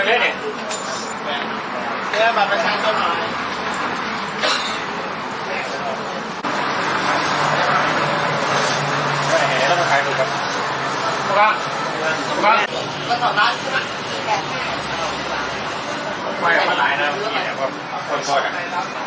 เห็นแล้วมันขายถูกกันพอบ้างพอบ้าง